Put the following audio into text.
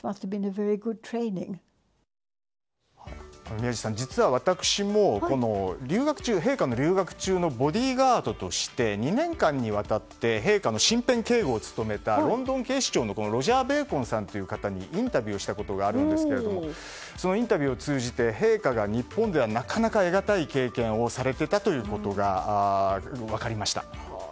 宮司さん、実は私も陛下の留学中のボディーガードとして２年間にわたって陛下の身辺警護を務めたロンドン警視庁のロジャー・ベーコンさんにインタビューしたことがあるんですがそのインタビューを通じて陛下が日本ではなかなか得難い経験をされていたことが分かりました。